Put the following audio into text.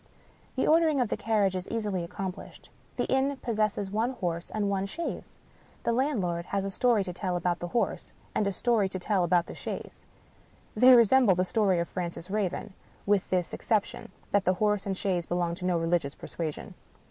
The ordering of the carriage is easily accomplished. The inn possesses one horse and one chaise. The landlorjd has a story to tell of the horse, and a story to tell of the chaise. They resemble the story of Francis Raven — ^with this ex ception, that the horse and chaise belong to no religious persuasion.